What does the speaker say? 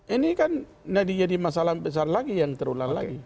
ini kan jadi masalah besar lagi yang terulang lagi